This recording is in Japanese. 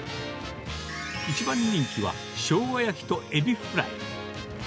一番人気は、しょうが焼きとエビフライ。